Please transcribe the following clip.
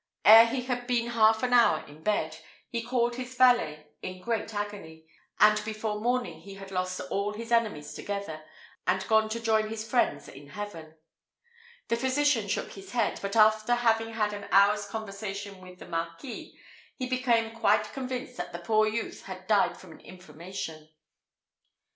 Ere he had been half an hour in bed, he called his valet in great agony, and before morning he had lost all his enemies together, and gone to join his friends in heaven. The physician shook his head; but after having had an hour's conversation with the marquis, he became quite convinced that the poor youth had died of an inflammation.